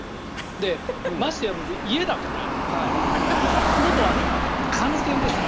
で、ましてや僕、家だからほぼ観戦ですね。